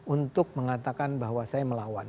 untuk mengatakan bahwa saya melawan